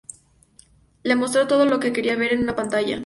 Le mostró todo lo que no quería ver en una pantalla.